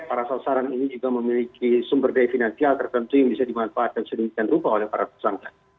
para salsaran ini juga memiliki sumber daya finansial tertentu yang bisa dimanfaatkan sedikit dan diubah oleh para tersangka